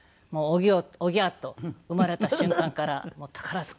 オギャーと生まれた瞬間から宝塚